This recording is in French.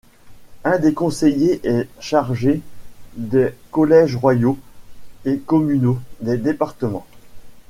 Un des conseillers est chargé des collèges royaux et communaux des départements.